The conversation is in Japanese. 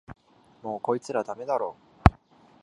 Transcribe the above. もうこいつらダメだろ